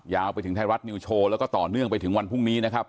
ยาวไปถึงไทยรัฐนิวโชว์แล้วก็ต่อเนื่องไปถึงวันพรุ่งนี้นะครับ